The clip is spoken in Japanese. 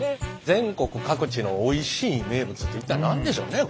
全国各地のおいしい名物って一体何でしょうね？